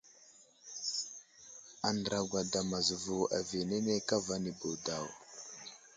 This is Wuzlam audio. Andra gwadam azevo aviyenene kava anibo daw.